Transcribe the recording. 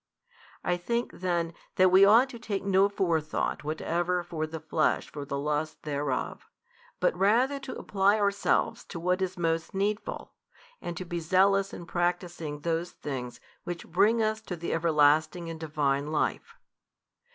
I think then that we ought to take no forethought whatever for the flesh for the lusts thereof, but rather to apply ourselves to what is most needful, and to be zealous in practising those things, which bring us to the everlasting and Divine Life.